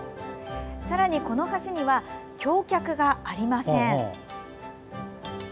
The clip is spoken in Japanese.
さらに、この橋には橋脚がありません。